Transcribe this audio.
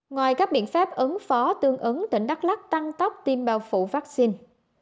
ngoài các biện pháp ứng phó tương ứng tỉnh đắk lắc tăng tốc tiêm bao phủ vaccine